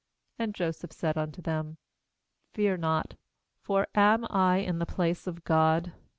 19And Joseph said unto them: 'Fear not; for am I in the place of God?